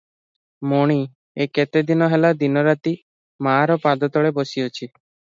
ମଣି ଏ କେତେ ଦିନ ହେଲା ଦିନରାତି ମାର ପାଦତଳେ ବସିଅଛି ।